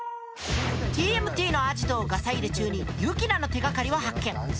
ＴＭＴのアジトをガサ入れ中にユキナの手がかりを発見。